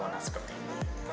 warnanya seperti ini